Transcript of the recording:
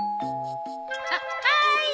あっはーい！